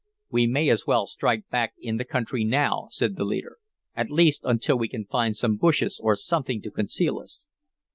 "We may as well strike back in the country now," said the leader, "at least until we can find some bushes or something to conceal us."